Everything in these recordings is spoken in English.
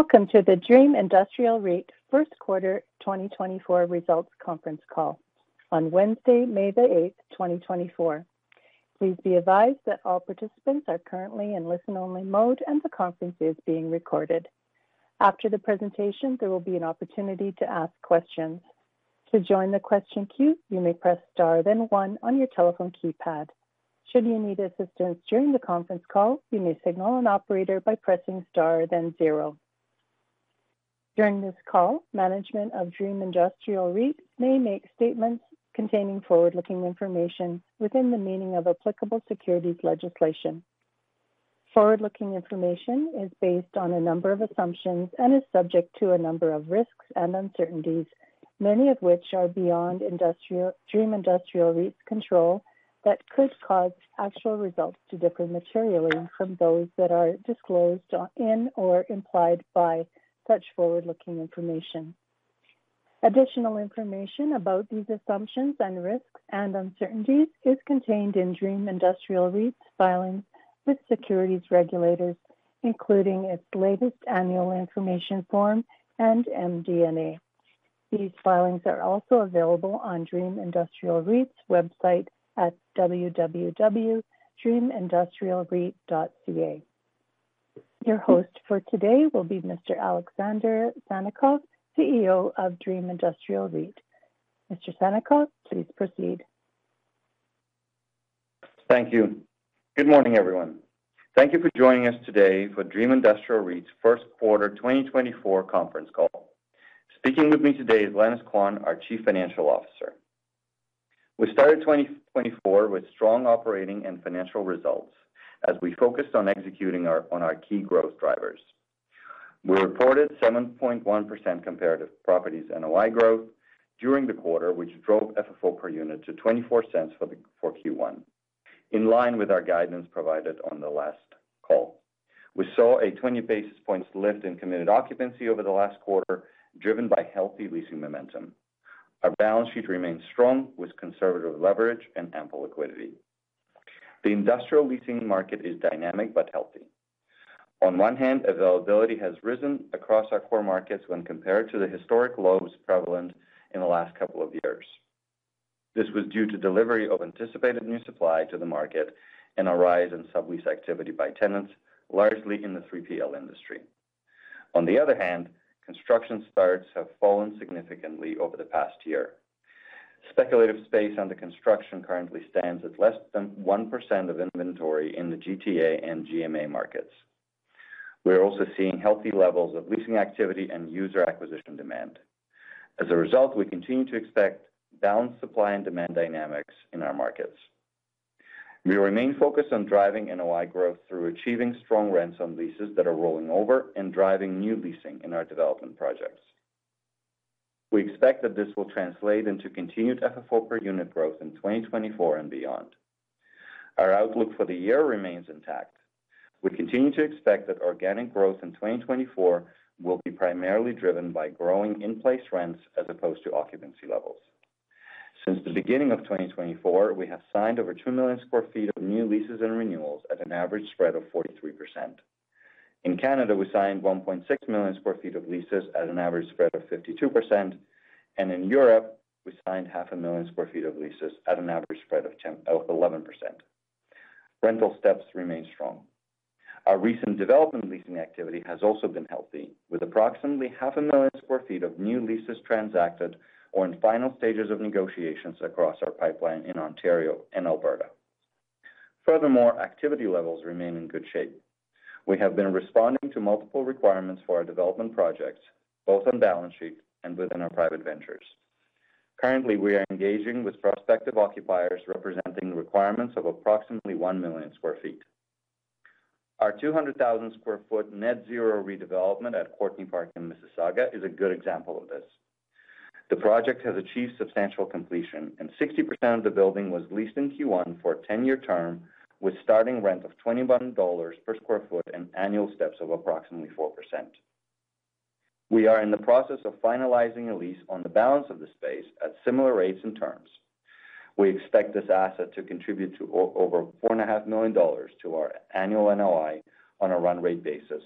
Welcome to the Dream Industrial REIT Q1 2024 Results Conference Call on Wednesday, May the 8th, 2024. Please be advised that all participants are currently in listen-only mode and the conference is being recorded. After the presentation, there will be an opportunity to ask questions. To join the question queue, you may press star then one on your telephone keypad. Should you need assistance during the conference call, you may signal an operator by pressing star then 0. During this call, management of Dream Industrial REIT may make statements containing forward-looking information within the meaning of applicable securities legislation. Forward-looking information is based on a number of assumptions and is subject to a number of risks and uncertainties, many of which are beyond Dream Industrial REIT's control that could cause actual results to differ materially from those that are disclosed in or implied by such forward-looking information. Additional information about these assumptions and risks and uncertainties is contained in Dream Industrial REIT's filings with securities regulators, including its latest annual information form and MD&A. These filings are also available on Dream Industrial REIT's website at www.dreamindustrialreit.ca. Your host for today will be Mr. Alexander Sannikov, CEO of Dream Industrial REIT. Mr. Sannikov, please proceed. Thank you. Good morning, everyone. Thank you for joining us today for Dream Industrial REIT's Q1 2024 Conference Call. Speaking with me today is Lenis Quan, our Chief Financial Officer. We started 2024 with strong operating and financial results as we focused on executing our key growth drivers. We reported 7.1% comparative properties NOI growth during the quarter, which drove FFO per unit to 0.24 for Q1, in line with our guidance provided on the last call. We saw a 20 basis points lift in committed occupancy over the last quarter, driven by healthy leasing momentum. Our balance sheet remains strong with conservative leverage and ample liquidity. The industrial leasing market is dynamic but healthy. On one hand, availability has risen across our core markets when compared to the historic lows prevalent in the last couple of years. This was due to delivery of anticipated new supply to the market and a rise in sublease activity by tenants, largely in the 3PL industry. On the other hand, construction starts have fallen significantly over the past year. Speculative space under construction currently stands at less than 1% of inventory in the GTA and GMA markets. We are also seeing healthy levels of leasing activity and user acquisition demand. As a result, we continue to expect balanced supply and demand dynamics in our markets. We remain focused on driving NOI growth through achieving strong rents on leases that are rolling over and driving new leasing in our development projects. We expect that this will translate into continued FFO per unit growth in 2024 and beyond. Our outlook for the year remains intact. We continue to expect that organic growth in 2024 will be primarily driven by growing in-place rents as opposed to occupancy levels. Since the beginning of 2024, we have signed over 2 million sq ft of new leases and renewals at an average spread of 43%. In Canada, we signed 1.6 million sq ft of leases at an average spread of 52%, and in Europe, we signed 500,000 sq ft of leases at an average spread of 11%. Rental steps remain strong. Our recent development leasing activity has also been healthy, with approximately 500,000 sq ft of new leases transacted or in final stages of negotiations across our pipeline in Ontario and Alberta. Furthermore, activity levels remain in good shape. We have been responding to multiple requirements for our development projects, both on balance sheet and within our private ventures. Currently, we are engaging with prospective occupiers representing requirements of approximately 1 million sq ft. Our 200,000 sq ft net-zero redevelopment at Courtneypark in Mississauga is a good example of this. The project has achieved substantial completion, and 60% of the building was leased in Q1 for a 10-year term with starting rent of $21 per sq ft and annual steps of approximately 4%. We are in the process of finalizing a lease on the balance of the space at similar rates and terms. We expect this asset to contribute to over $4.5 million to our annual NOI on a run-rate basis,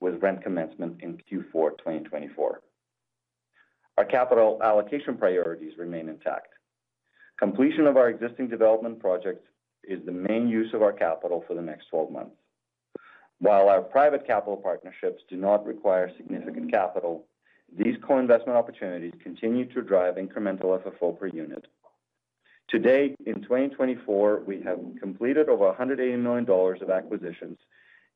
with rent commencement in Q4 2024. Our capital allocation priorities remain intact. Completion of our existing development projects is the main use of our capital for the next 12 months. While our private capital partnerships do not require significant capital, these co-investment opportunities continue to drive incremental FFO per unit. Today, in 2024, we have completed over $180 million of acquisitions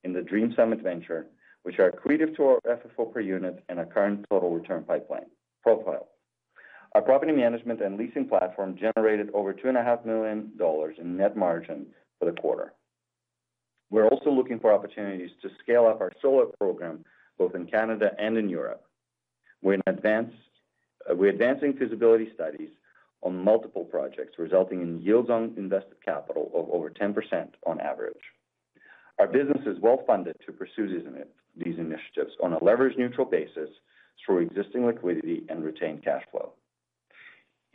in the Dream Summit venture, which are accretive to FFO per unit and our current total return pipeline profile. Our property management and leasing platform generated over $2.5 million in net margin for the quarter. We're also looking for opportunities to scale up our solar program both in Canada and in Europe. We're advancing feasibility studies on multiple projects, resulting in yields on invested capital of over 10% on average. Our business is well-funded to pursue these initiatives on a leverage-neutral basis through existing liquidity and retained cash flow.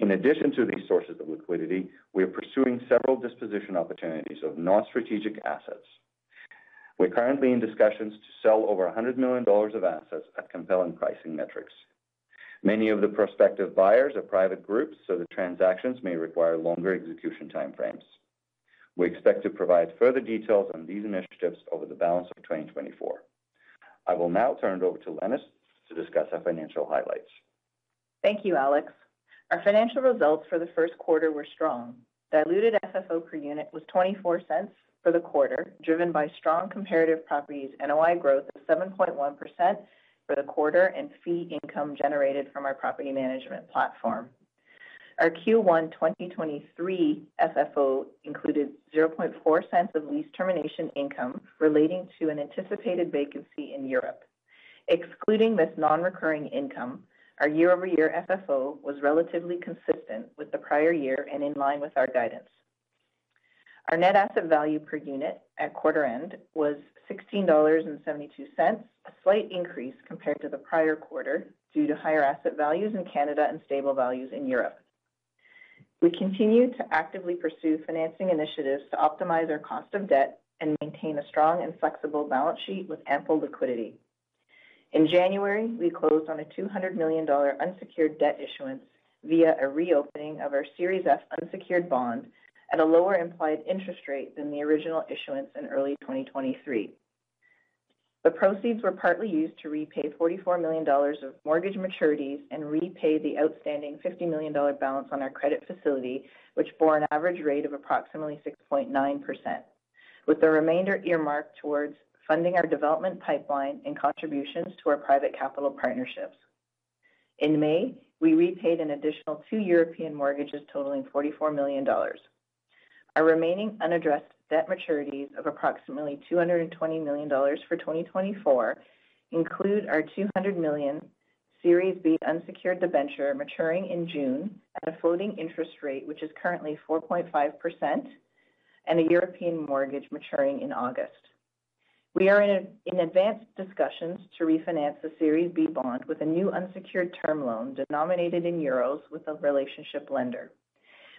In addition to these sources of liquidity, we are pursuing several disposition opportunities of non-strategic assets. We're currently in discussions to sell over $100 million of assets at compelling pricing metrics. Many of the prospective buyers are private groups, so the transactions may require longer execution time frames. We expect to provide further details on these initiatives over the balance of 2024. I will now turn it over to Lenis to discuss our financial highlights. Thank you, Alex. Our financial results for the Q1 were strong. Diluted FFO per unit was $0.24 for the quarter, driven by strong comparative properties NOI growth of 7.1% for the quarter and fee income generated from our property management platform. Our Q1 2023 FFO included 0.4 cents of lease termination income relating to an anticipated vacancy in Europe. Excluding this non-recurring income, our year-over-year FFO was relatively consistent with the prior year and in line with our guidance. Our net asset value per unit at quarter end was $16.72, a slight increase compared to the prior quarter due to higher asset values in Canada and stable values in Europe. We continue to actively pursue financing initiatives to optimize our cost of debt and maintain a strong and flexible balance sheet with ample liquidity. In January, we closed on a $200 million unsecured debt issuance via a reopening of our Series F unsecured bond at a lower implied interest rate than the original issuance in early 2023. The proceeds were partly used to repay $44 million of mortgage maturities and repay the outstanding $50 million balance on our credit facility, which bore an average rate of approximately 6.9%, with the remainder earmarked towards funding our development pipeline and contributions to our private capital partnerships. In May, we repaid an additional two European mortgages totaling $44 million. Our remaining unaddressed debt maturities of approximately $220 million for 2024 include our $200 million Series B unsecured debenture maturing in June at a floating interest rate, which is currently 4.5%, and a European mortgage maturing in August. We are in advanced discussions to refinance the Series B bond with a new unsecured term loan denominated in Euros with a relationship lender.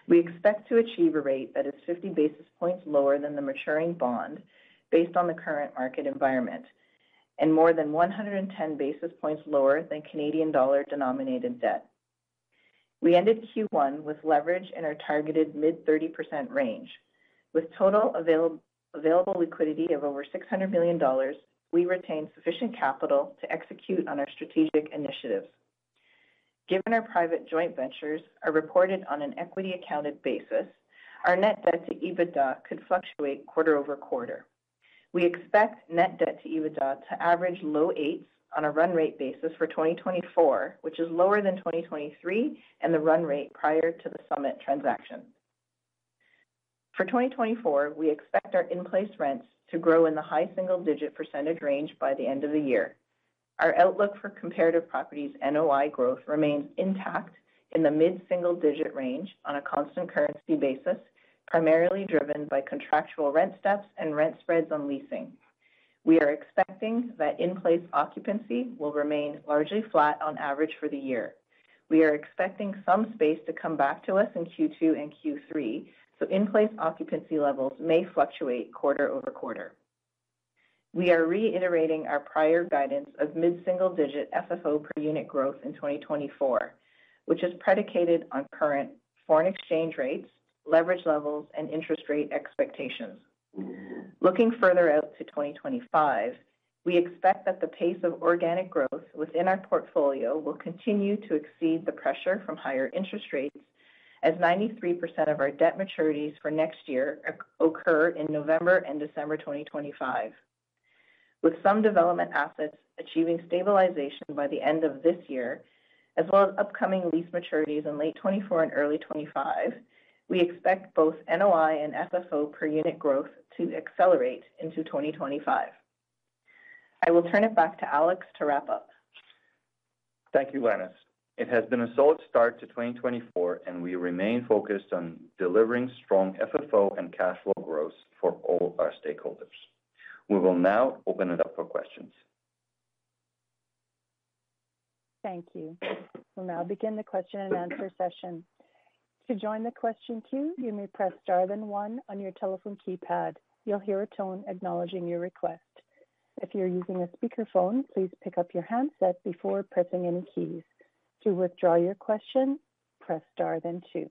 We expect to achieve a rate that is 50 basis points lower than the maturing bond based on the current market environment and more than 110 basis points lower than Canadian dollar denominated debt. We ended Q1 with leverage in our targeted mid-30% range. With total available liquidity of over $600 million, we retained sufficient capital to execute on our strategic initiatives. Given our private joint ventures are reported on an equity-accounted basis, our net debt to EBITDA could fluctuate quarter-over-quarter. We expect net debt to EBITDA to average low eights on a run-rate basis for 2024, which is lower than 2023 and the run-rate prior to the summit transaction. For 2024, we expect our in-place rents to grow in the high single-digit percentage range by the end of the year. Our outlook for comparative properties NOI growth remains intact in the mid-single-digit range on a constant currency basis, primarily driven by contractual rent steps and rent spreads on leasing. We are expecting that in-place occupancy will remain largely flat on average for the year. We are expecting some space to come back to us in Q2 and Q3, so in-place occupancy levels may fluctuate quarter-over-quarter. We are reiterating our prior guidance of mid-single-digit FFO per unit growth in 2024, which is predicated on current foreign exchange rates, leverage levels, and interest rate expectations. Looking further out to 2025, we expect that the pace of organic growth within our portfolio will continue to exceed the pressure from higher interest rates, as 93% of our debt maturities for next year occur in November and December 2025. With some development assets achieving stabilization by the end of this year, as well as upcoming lease maturities in late 2024 and early 2025, we expect both NOI and FFO per unit growth to accelerate into 2025. I will turn it back to Alex to wrap up. Thank you, Lenis. It has been a solid start to 2024, and we remain focused on delivering strong FFO and cash flow growth for all our stakeholders. We will now open it up for questions. Thank you. We'll now begin the question-and-answer session. To join the question queue, you may press star then one on your telephone keypad. You'll hear a tone acknowledging your request. If you're using a speakerphone, please pick up your handset before pressing any keys. To withdraw your question, press star then two.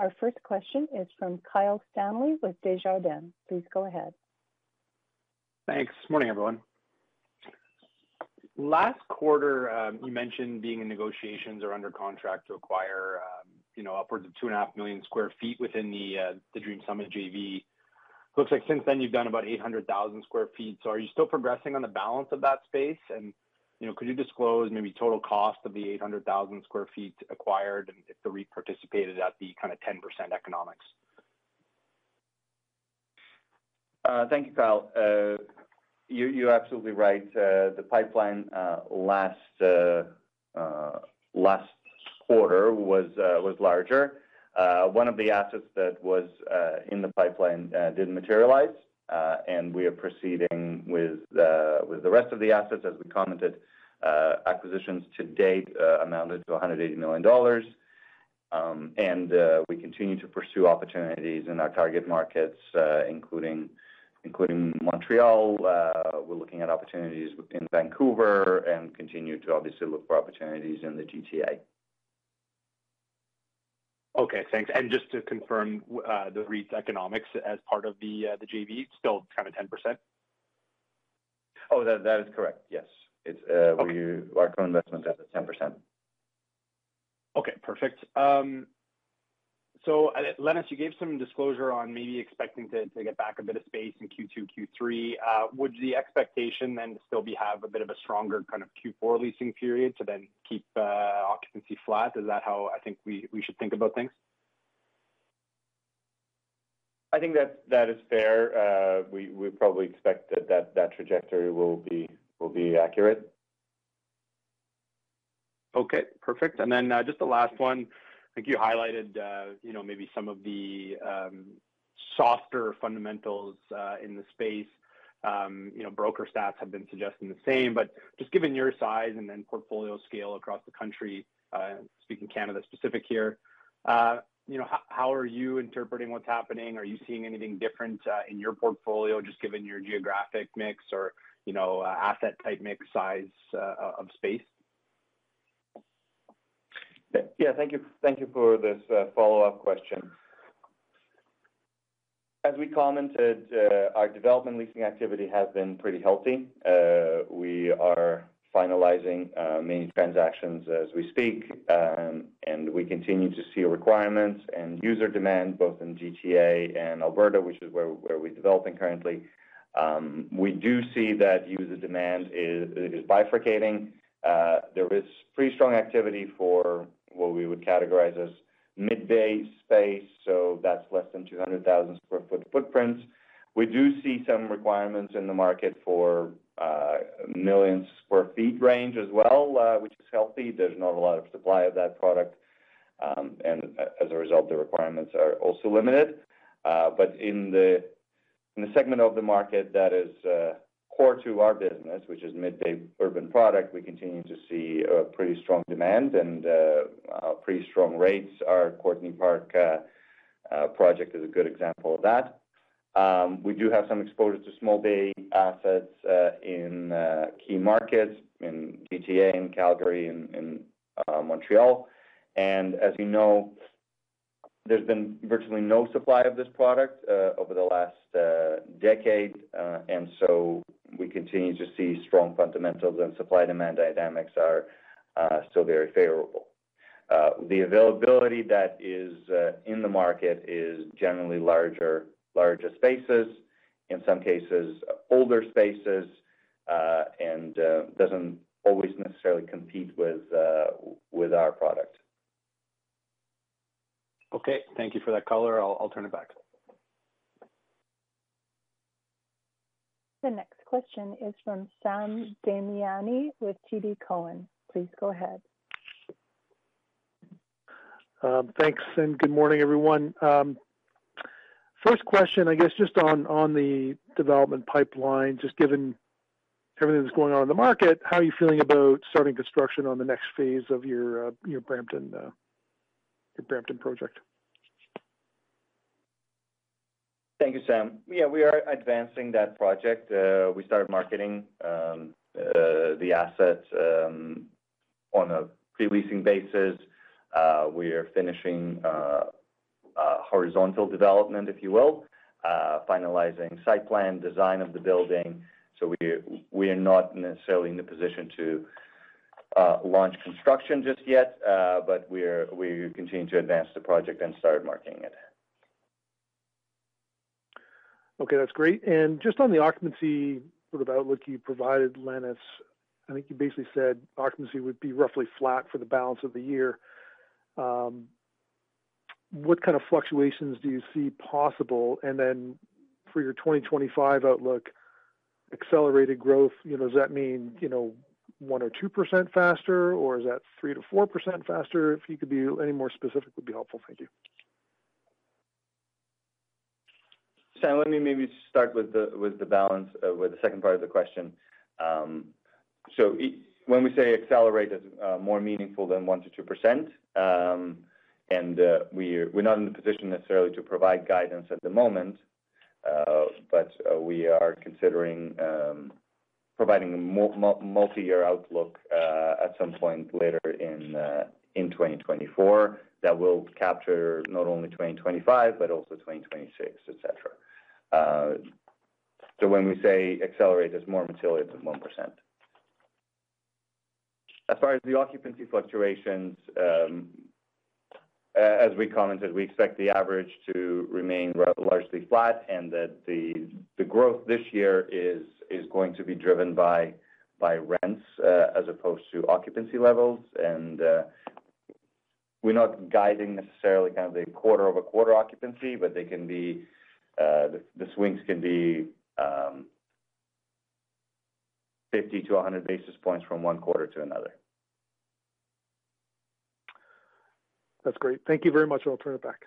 Our first question is from Kyle Stanley with Desjardins. Please go ahead. Thanks. Morning, everyone. Last quarter, you mentioned being in negotiations or under contract to acquire upwards of 2.5 million sq ft within the Dream Summit JV. Looks like since then, you've done about 800,000 sq ft. So are you still progressing on the balance of that space? And could you disclose maybe total cost of the 800,000 sq ft acquired and if the REIT participated at the kind of 10% economics? Thank you, Kyle. You're absolutely right. The pipeline last quarter was larger. One of the assets that was in the pipeline didn't materialize, and we are proceeding with the rest of the assets. As we commented, acquisitions to date amounted to $180 million. We continue to pursue opportunities in our target markets, including Montreal. We're looking at opportunities in Vancouver and continue to obviously look for opportunities in the GTA. Okay. Thanks. Just to confirm, the REIT's economics as part of the JV still kind of 10%? Oh, that is correct. Yes. Our co-investment is at 10%. Okay. Perfect. So, Lenis, you gave some disclosure on maybe expecting to get back a bit of space in Q2, Q3. Would the expectation then still be to have a bit of a stronger kind of Q4 leasing period to then keep occupancy flat? Is that how I think we should think about things? I think that is fair. We probably expect that that trajectory will be accurate. Okay. Perfect. And then just the last one. I think you highlighted maybe some of the softer fundamentals in the space. Broker stats have been suggesting the same. But just given your size and then portfolio scale across the country, speaking Canada-specific here, how are you interpreting what's happening? Are you seeing anything different in your portfolio, just given your geographic mix or asset-type mix size of space? Yeah. Thank you for this follow-up question. As we commented, our development leasing activity has been pretty healthy. We are finalizing many transactions as we speak, and we continue to see requirements and user demand both in GTA and Alberta, which is where we're developing currently. We do see that user demand is bifurcating. There is pretty strong activity for what we would categorize as mid-bay space, so that's less than 200,000 sq ft footprints. We do see some requirements in the market for 1 million sq ft range as well, which is healthy. There's not a lot of supply of that product. And as a result, the requirements are also limited. But in the segment of the market that is core to our business, which is mid-bay urban product, we continue to see pretty strong demand and pretty strong rates. Our Courtney Park project is a good example of that. We do have some exposure to small-bay assets in key markets in GTA, in Calgary, in Montreal. And as you know, there's been virtually no supply of this product over the last decade. And so we continue to see strong fundamentals and supply-demand dynamics are still very favorable. The availability that is in the market is generally larger spaces, in some cases, older spaces, and doesn't always necessarily compete with our product. Okay. Thank you for that color. I'll turn it back. The next question is from Sam Damiani with TD Cowen. Please go ahead. Thanks, Sam. Good morning, everyone. First question, I guess, just on the development pipeline, just given everything that's going on in the market, how are you feeling about starting construction on the next phase of your Brampton project? Thank you, Sam. Yeah, we are advancing that project. We started marketing the asset on a pre-leasing basis. We are finishing horizontal development, if you will, finalizing site plan design of the building. So we are not necessarily in the position to launch construction just yet, but we continue to advance the project and start marketing it. Okay. That's great. And just on the occupancy sort of outlook you provided, Lenis, I think you basically said occupancy would be roughly flat for the balance of the year. What kind of fluctuations do you see possible? And then for your 2025 outlook, accelerated growth, does that mean 1% or 2% faster, or is that 3%-4% faster? If you could be any more specific would be helpful. Thank you. Sam, let me maybe start with the balance with the second part of the question. So when we say accelerate, that's more meaningful than 1%-2%. And we're not in the position necessarily to provide guidance at the moment, but we are considering providing a multi-year outlook at some point later in 2024 that will capture not only 2025 but also 2026, etc. So when we say accelerate, that's more material than 1%. As far as the occupancy fluctuations, as we commented, we expect the average to remain largely flat and that the growth this year is going to be driven by rents as opposed to occupancy levels. And we're not guiding necessarily kind of the quarter-over-quarter occupancy, but the swings can be 50-100 basis points from one quarter to another. That's great. Thank you very much. I'll turn it back.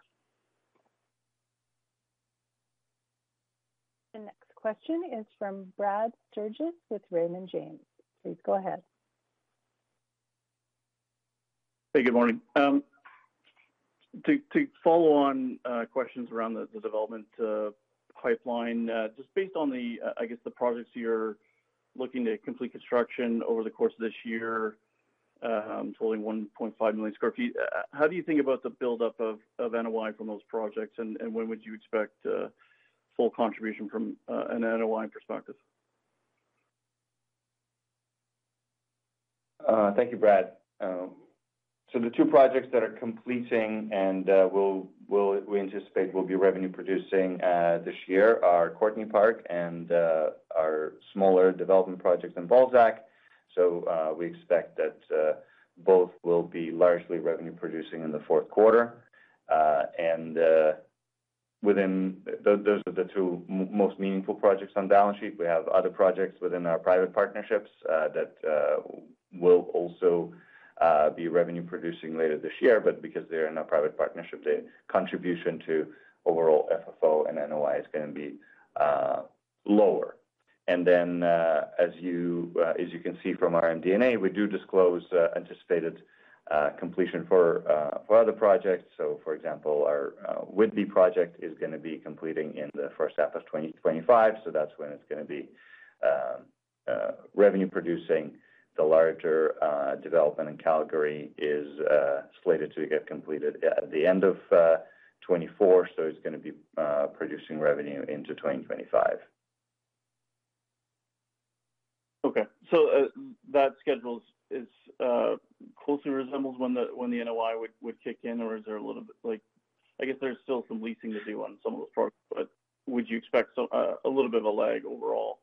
The next question is from Brad Sturges with Raymond James. Please go ahead. Hey. Good morning. To follow on questions around the development pipeline, just based on, I guess, the projects you're looking to complete construction over the course of this year, totaling 1.5 million sq ft, how do you think about the buildup of NOI from those projects? And when would you expect full contribution from an NOI perspective? Thank you, Brad. So the two projects that are completing and we anticipate will be revenue-producing this year are Courtney Park and our smaller development project in Balzac. So we expect that both will be largely revenue-producing in the Q4. And those are the two most meaningful projects on balance sheet. We have other projects within our private partnerships that will also be revenue-producing later this year. But because they're in a private partnership, the contribution to overall FFO and NOI is going to be lower. And then, as you can see from our MD&A, we do disclose anticipated completion for other projects. So, for example, our Whitby project is going to be completing in the first half of 2025. So that's when it's going to be revenue-producing. The larger development in Calgary is slated to get completed at the end of 2024. So it's going to be producing revenue into 2025. Okay. So that schedule closely resembles when the NOI would kick in, or is there a little bit I guess there's still some leasing to do on some of those projects, but would you expect a little bit of a lag overall?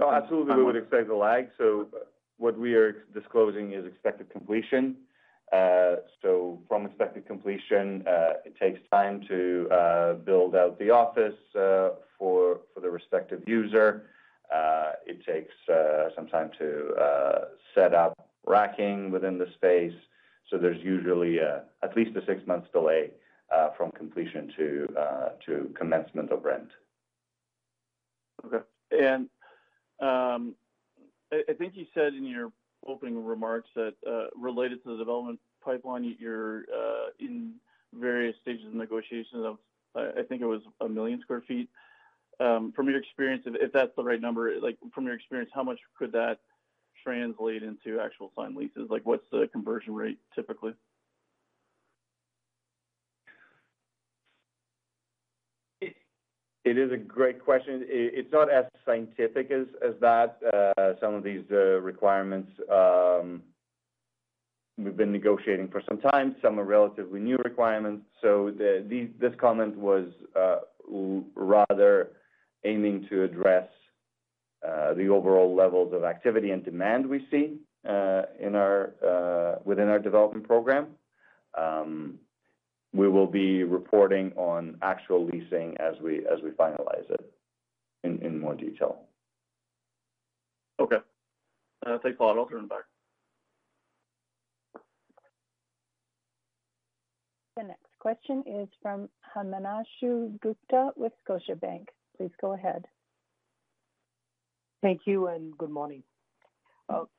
Oh, absolutely. We would expect a lag. So what we are disclosing is expected completion. So from expected completion, it takes time to build out the office for the respective user. It takes some time to set up racking within the space. So there's usually at least a 6-month delay from completion to commencement of rent. Okay. I think you said in your opening remarks that related to the development pipeline, you're in various stages of negotiations of I think it was 1 million sq ft. From your experience, if that's the right number, from your experience, how much could that translate into actual signed leases? What's the conversion rate typically? It is a great question. It's not as scientific as that. Some of these requirements we've been negotiating for some time. Some are relatively new requirements. So this comment was rather aiming to address the overall levels of activity and demand we see within our development program. We will be reporting on actual leasing as we finalize it in more detail. Okay. Thanks a lot. I'll turn it back. The next question is from Himanshu Gupta with Scotiabank. Please go ahead. Thank you and good morning.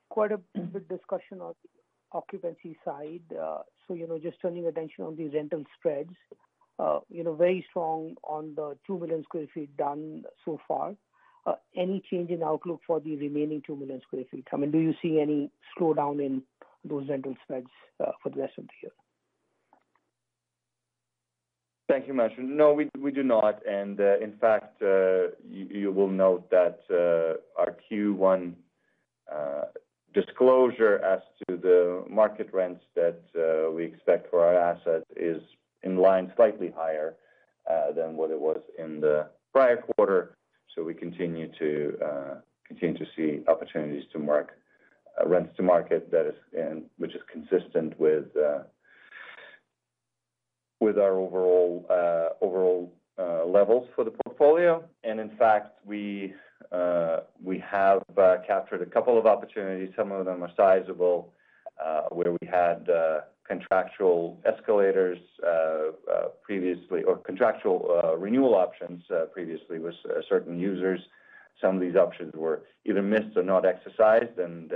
Quite a bit of discussion on the occupancy side. So just turning attention on the rental spreads, very strong on the 2 million sq ft done so far. Any change in outlook for the remaining 2 million sq ft? I mean, do you see any slowdown in those rental spreads for the rest of the year? Thank you, Matt. No, we do not. In fact, you will note that our Q1 disclosure as to the market rents that we expect for our assets is in line slightly higher than what it was in the prior quarter. We continue to see opportunities to mark rents to market, which is consistent with our overall levels for the portfolio. In fact, we have captured a couple of opportunities. Some of them are sizable where we had contractual escalators previously or contractual renewal options previously with certain users. Some of these options were either missed or not exercised, and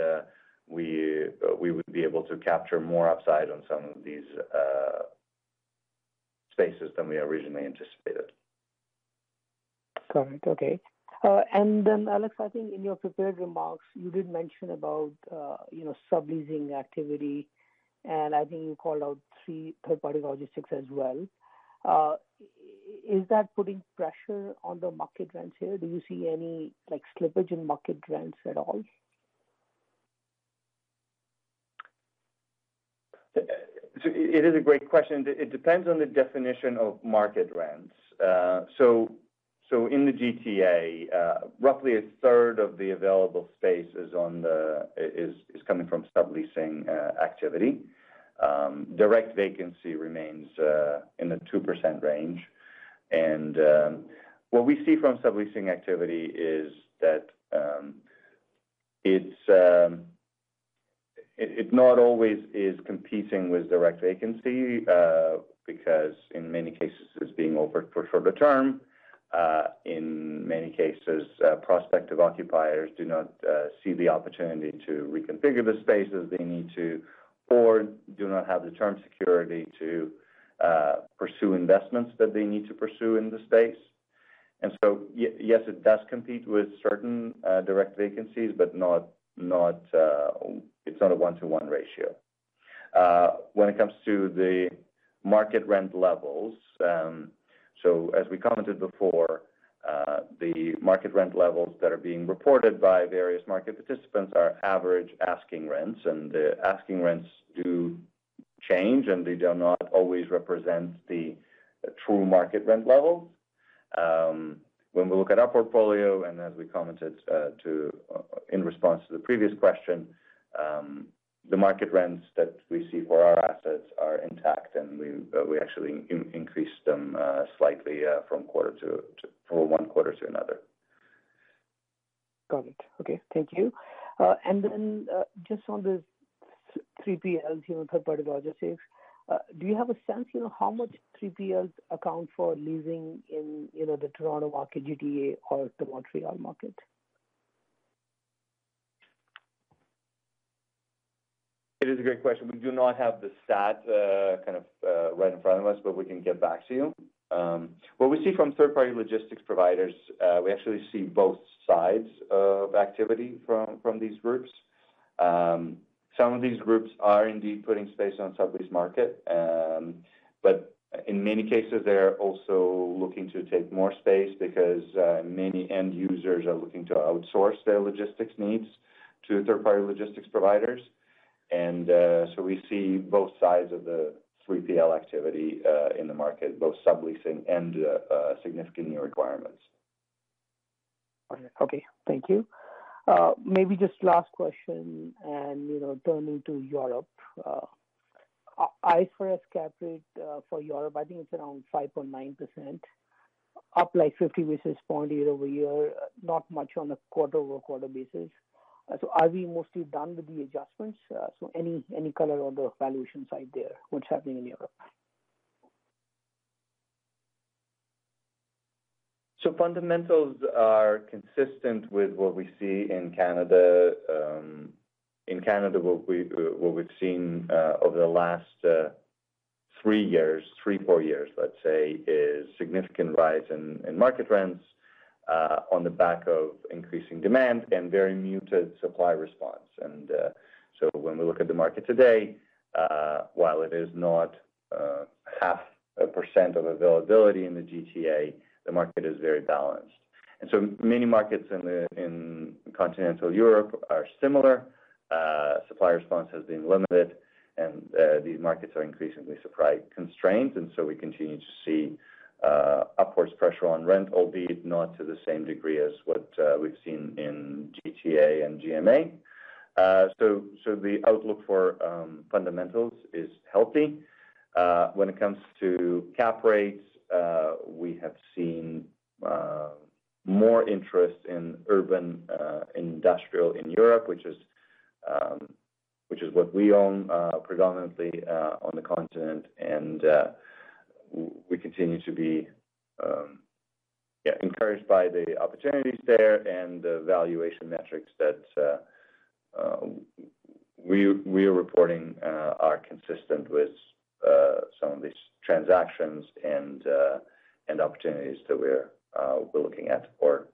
we would be able to capture more upside on some of these spaces than we originally anticipated. Got it. Okay. And then, Alex, I think in your prepared remarks, you did mention about subleasing activity, and I think you called out three third-party logistics as well. Is that putting pressure on the market rents here? Do you see any slippage in market rents at all? It is a great question. It depends on the definition of market rents. In the GTA, roughly a third of the available space is coming from subleasing activity. Direct vacancy remains in the 2% range. And what we see from subleasing activity is that it not always is competing with direct vacancy because, in many cases, it's being offered for shorter term. In many cases, prospective occupiers do not see the opportunity to reconfigure the spaces they need to or do not have the term security to pursue investments that they need to pursue in the space. And so yes, it does compete with certain direct vacancies, but it's not a one-to-one ratio. When it comes to the market rent levels, so as we commented before, the market rent levels that are being reported by various market participants are average asking rents. The asking rents do change, and they do not always represent the true market rent levels. When we look at our portfolio, and as we commented in response to the previous question, the market rents that we see for our assets are intact, and we actually increased them slightly from one quarter to another. Got it. Okay. Thank you. And then just on the 3PLs, third-party logistics, do you have a sense how much 3PLs account for leasing in the Toronto market, GTA, or the Montreal market? It is a great question. We do not have the stats kind of right in front of us, but we can get back to you. What we see from third-party logistics providers, we actually see both sides of activity from these groups. Some of these groups are indeed putting space on sublease market, but in many cases, they're also looking to take more space because many end users are looking to outsource their logistics needs to third-party logistics providers. And so we see both sides of the 3PL activity in the market, both subleasing and significant new requirements. Got it. Okay. Thank you. Maybe just last question and turning to Europe. IFRS cap rate for Europe, I think it's around 5.9%, up 50 basis points year-over-year, not much on a quarter-over-quarter basis. So are we mostly done with the adjustments? So any color on the valuation side there, what's happening in Europe? So fundamentals are consistent with what we see in Canada. In Canada, what we've seen over the last three years, three, four years, let's say, is a significant rise in market rents on the back of increasing demand and very muted supply response. So when we look at the market today, while it is not 0.5% availability in the GTA, the market is very balanced. So many markets in continental Europe are similar. Supply response has been limited, and these markets are increasingly supply constrained. So we continue to see upwards pressure on rent, albeit not to the same degree as what we've seen in GTA and GMA. So the outlook for fundamentals is healthy. When it comes to cap rates, we have seen more interest in urban industrial in Europe, which is what we own predominantly on the continent. We continue to be, yeah, encouraged by the opportunities there and the valuation metrics that we are reporting are consistent with some of these transactions and opportunities that we're looking at or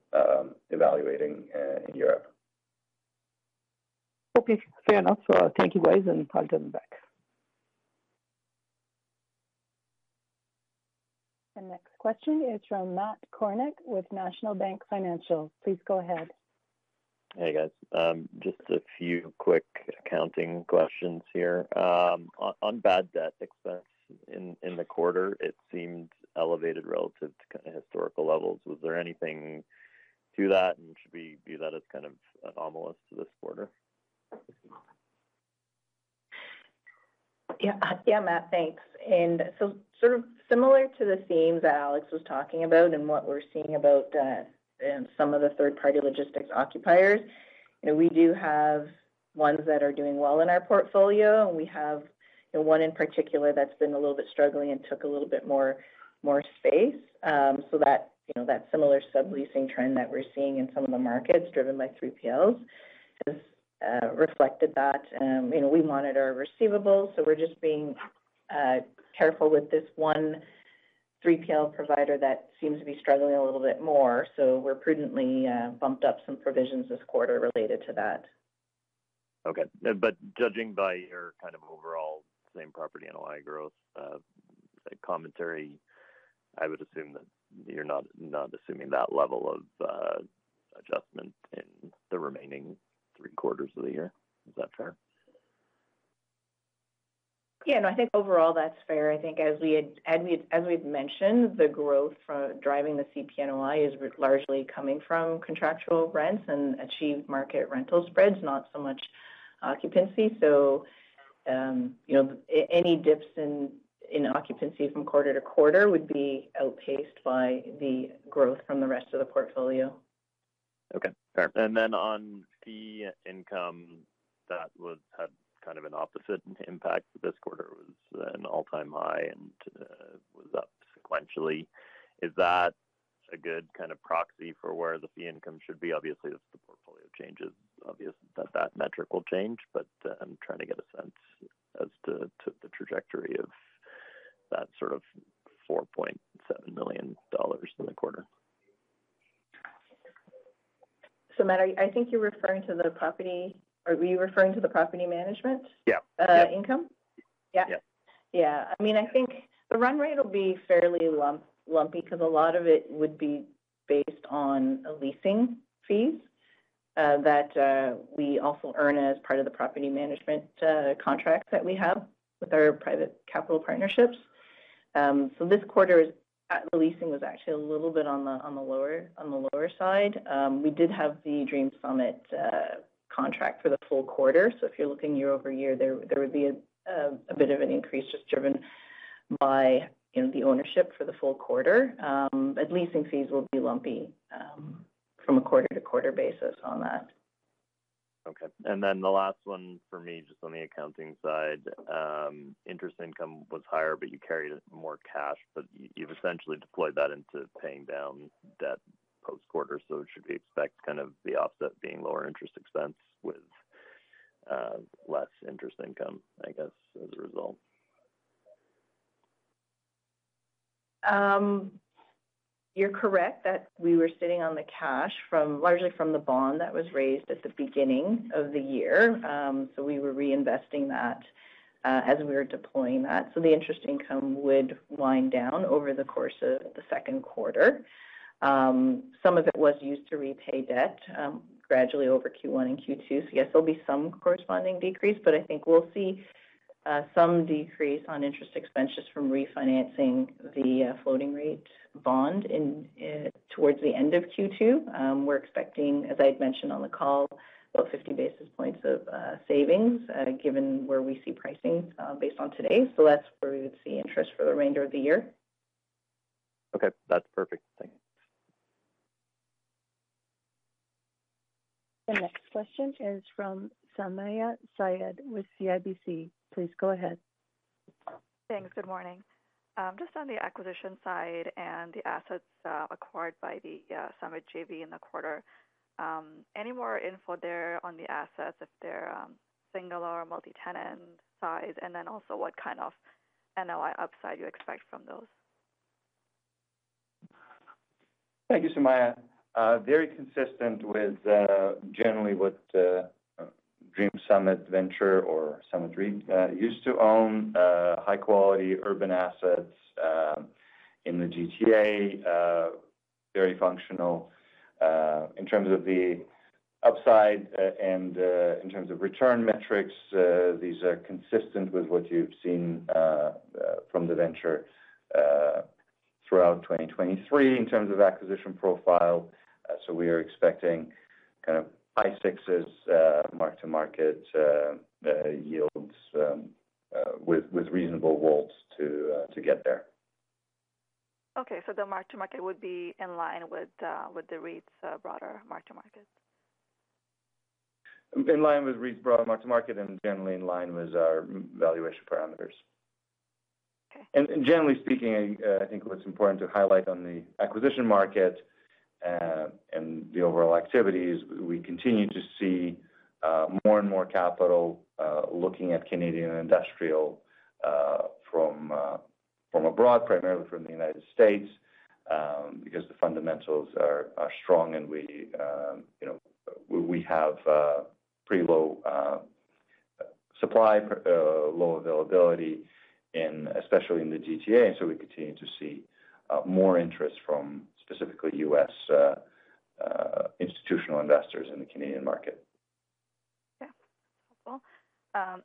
evaluating in Europe. Okay. Fair enough. Thank you, guys, and I'll turn it back. The next question is from Matt Kornack with National Bank Financial. Please go ahead. Hey, guys. Just a few quick accounting questions here. On bad debt expense in the quarter, it seemed elevated relative to kind of historical levels. Was there anything to that, and should we view that as kind of anomalous to this quarter? Yeah, Matt, thanks. And so sort of similar to the themes that Alex was talking about and what we're seeing about some of the third-party logistics occupiers, we do have ones that are doing well in our portfolio, and we have one in particular that's been a little bit struggling and took a little bit more space. So that similar subleasing trend that we're seeing in some of the markets driven by 3PLs has reflected that. We monitor our receivables, so we're just being careful with this one 3PL provider that seems to be struggling a little bit more. So we're prudently bumped up some provisions this quarter related to that. Okay. But judging by your kind of overall same property NOI growth commentary, I would assume that you're not assuming that level of adjustment in the remaining three quarters of the year. Is that fair? Yeah. No, I think overall, that's fair. I think as we've mentioned, the growth driving the CPNOI is largely coming from contractual rents and achieved market rental spreads, not so much occupancy. So any dips in occupancy from quarter to quarter would be outpaced by the growth from the rest of the portfolio. Okay. Fair. And then on fee income, that had kind of an opposite impact. This quarter was an all-time high and was up sequentially. Is that a good kind of proxy for where the fee income should be? Obviously, if the portfolio changes, obviously that that metric will change. But I'm trying to get a sense as to the trajectory of that sort of $4.7 million in the quarter. So Matt, I think you're referring to the property. Are you referring to the property management income? Yeah. Yeah? Yes. Yeah. I mean, I think the run rate will be fairly lumpy because a lot of it would be based on leasing fees that we also earn as part of the property management contracts that we have with our private capital partnerships. So this quarter, the leasing was actually a little bit on the lower side. We did have the Dream Summit contract for the full quarter. So if you're looking year-over-year, there would be a bit of an increase just driven by the ownership for the full quarter. But leasing fees will be lumpy from a quarter-to-quarter basis on that. Okay. And then the last one for me, just on the accounting side, interest income was higher, but you carried more cash. But you've essentially deployed that into paying down debt post-quarter. So it should be expected kind of the opposite being lower interest expense with less interest income, I guess, as a result. You're correct that we were sitting on the cash, largely from the bond that was raised at the beginning of the year. So we were reinvesting that as we were deploying that. So the interest income would wind down over the course of the Q2. Some of it was used to repay debt gradually over Q1 and Q2. So yes, there'll be some corresponding decrease, but I think we'll see some decrease on interest expenses from refinancing the floating-rate bond towards the end of Q2. We're expecting, as I had mentioned on the call, about 50 basis points of savings given where we see pricing based on today. So that's where we would see interest for the remainder of the year. Okay. That's perfect. Thanks. The next question is from Sumayya Syed with CIBC. Please go ahead. Thanks. Good morning. Just on the acquisition side and the assets acquired by the Summit JV in the quarter, any more info there on the assets if they're single or multi-tenant size, and then also what kind of NOI upside you expect from those? Thank you, Sumayya. Very consistent with generally what Dream Summit venture or Summit REIT used to own, high-quality urban assets in the GTA, very functional. In terms of the upside and in terms of return metrics, these are consistent with what you've seen from the venture throughout 2023 in terms of acquisition profile. So we are expecting kind of high sixes mark-to-market yields with reasonable WALTs to get there. Okay. So the mark-to-market would be in line with the REIT's broader mark-to-market? In line with Reed's broader mark-to-market and generally in line with our valuation parameters. Generally speaking, I think what's important to highlight on the acquisition market and the overall activities, we continue to see more and more capital looking at Canadian industrial from abroad, primarily from the United States because the fundamentals are strong and we have pretty low supply, low availability, especially in the GTA. So we continue to see more interest from specifically U.S. institutional investors in the Canadian market. Yeah. That's helpful.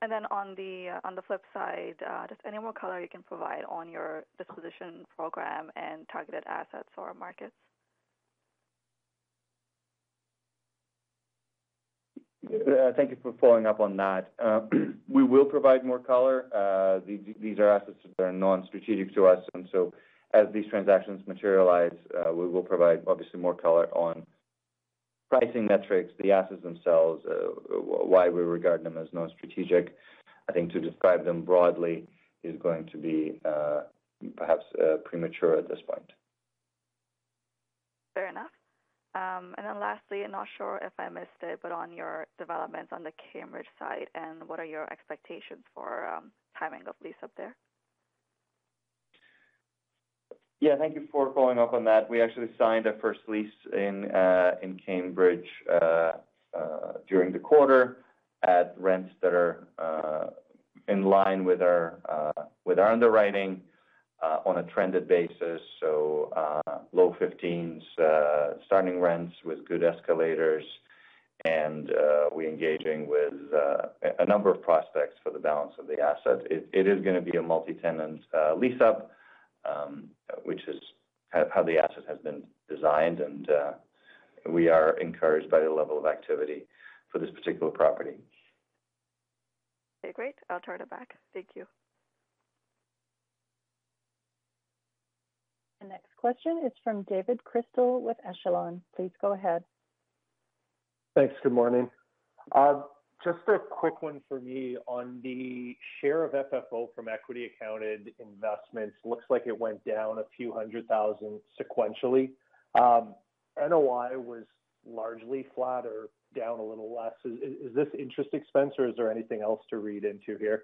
And then on the flip side, just any more color you can provide on your disposition program and targeted assets or markets? Thank you for following up on that. We will provide more color. These are assets that are non-strategic to us. And so as these transactions materialize, we will provide, obviously, more color on pricing metrics, the assets themselves, why we regard them as non-strategic. I think to describe them broadly is going to be perhaps premature at this point. Fair enough. And then lastly, and not sure if I missed it, but on your developments on the Cambridge side, and what are your expectations for timing of lease up there? Yeah. Thank you for following up on that. We actually signed a first lease in Cambridge during the quarter at rents that are in line with our underwriting on a trended basis, so low 15s, starting rents with good escalators, and we engaging with a number of prospects for the balance of the asset. It is going to be a multi-tenant lease-up, which is how the asset has been designed. We are encouraged by the level of activity for this particular property. Okay. Great. I'll turn it back. Thank you. The next question is from David Chrystal with Echelon. Please go ahead. Thanks. Good morning. Just a quick one for me on the share of FFO from equity-accounted investments. Looks like it went down a few hundred thousand sequentially. NOI was largely flat or down a little less. Is this interest expense, or is there anything else to read into here?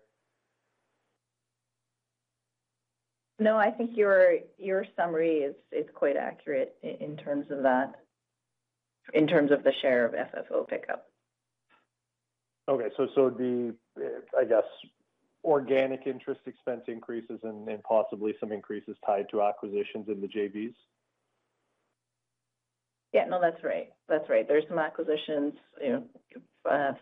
No, I think your summary is quite accurate in terms of that, in terms of the share of FFO pickup. Okay. So it'd be, I guess, organic interest expense increases and possibly some increases tied to acquisitions in the JVs? Yeah. No, that's right. That's right. There's some acquisitions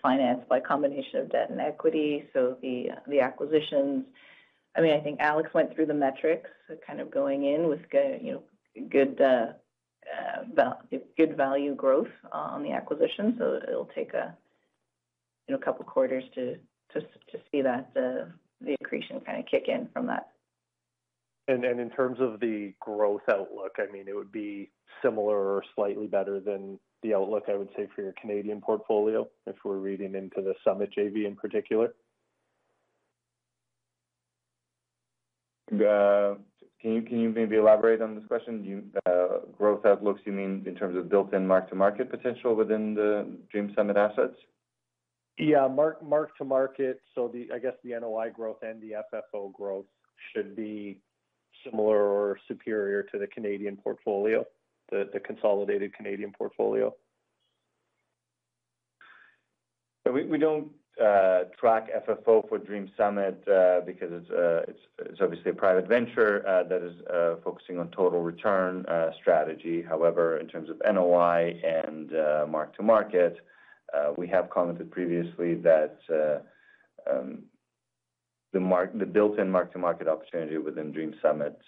financed by a combination of debt and equity. So the acquisitions, I mean, I think Alex went through the metrics kind of going in with good value growth on the acquisitions. So it'll take a couple of quarters to see the accretion kind of kick in from that. In terms of the growth outlook, I mean, it would be similar or slightly better than the outlook, I would say, for your Canadian portfolio if we're reading into the Summit JV in particular? Can you maybe elaborate on this question? Growth outlooks, you mean in terms of built-in mark-to-market potential within the Dream Summit assets? Yeah. Mark-to-market, so I guess the NOI growth and the FFO growth should be similar or superior to the Canadian portfolio, the consolidated Canadian portfolio. We don't track FFO for Dream Summit because it's obviously a private venture that is focusing on total return strategy. However, in terms of NOI and mark-to-market, we have commented previously that the built-in mark-to-market opportunity within Dream Summit's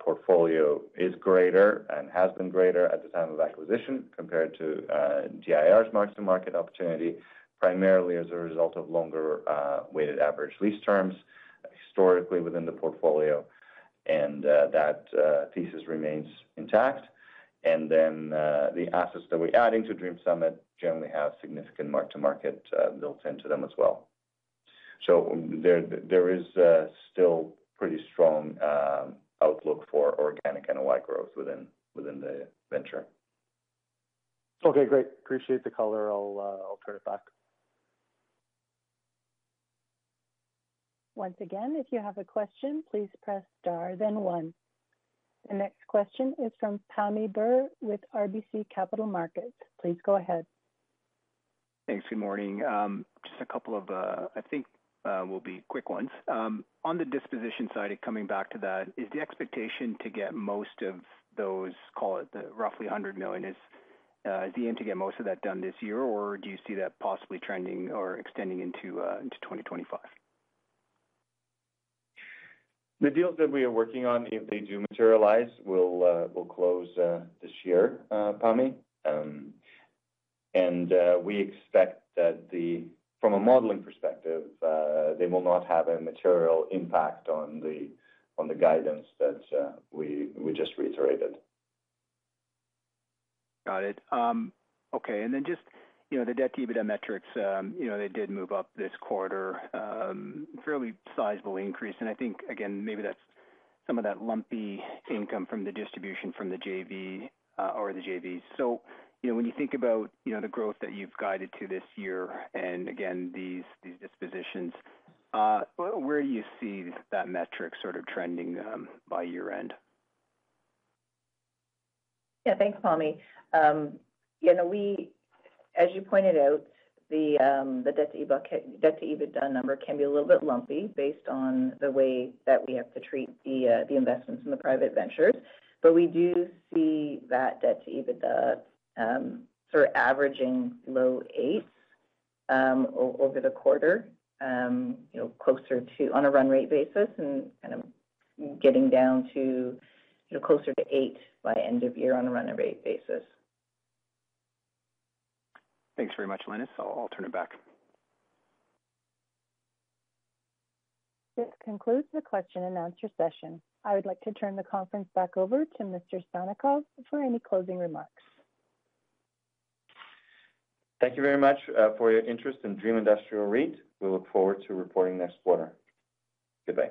portfolio is greater and has been greater at the time of acquisition compared to DIR's mark-to-market opportunity, primarily as a result of longer weighted average lease terms historically within the portfolio. And that thesis remains intact. And then the assets that we're adding to Dream Summit generally have significant mark-to-market built into them as well. So there is still pretty strong outlook for organic NOI growth within the venture. Okay. Great. Appreciate the color. I'll turn it back. Once again, if you have a question, please press star, then one. The next question is from Pammi Bir with RBC Capital Markets. Please go ahead. Thanks. Good morning. Just a couple of, I think, will be quick ones. On the disposition side, coming back to that, is the expectation to get most of those, call it the roughly $100 million, is the aim to get most of that done this year, or do you see that possibly trending or extending into 2025? The deals that we are working on, if they do materialize, we'll close this year, Pammi. And we expect that from a modeling perspective, they will not have a material impact on the guidance that we just reiterated. Got it. Okay. And then just the debt EBITDA metrics, they did move up this quarter, fairly sizable increase. And I think, again, maybe that's some of that lumpy income from the distribution from the JV or the JVs. So when you think about the growth that you've guided to this year and, again, these dispositions, where do you see that metric sort of trending by year-end? Yeah. Thanks, Pammi. As you pointed out, the debt to EBITDA number can be a little bit lumpy based on the way that we have to treat the investments in the private ventures. But we do see that debt to EBITDA sort of averaging low 8s over the quarter, closer to on a run-rate basis and kind of getting down to closer to eight by end of year on a run-rate basis. Thanks very much, Lenis. I'll turn it back. This concludes the question and answer session. I would like to turn the conference back over to Mr. Sannikov for any closing remarks. Thank you very much for your interest in Dream Industrial REIT. We look forward to reporting next quarter. Goodbye.